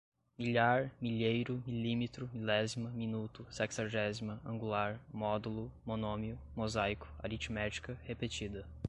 milhar, milheiro, milímetro, milésima, minuto, sexagésima, angular, módulo, monômio, mosaico, aritmética, repetida